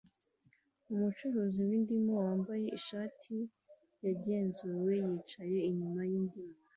Umucuruzi w'indimu wambaye ishati yagenzuwe yicaye inyuma yindimu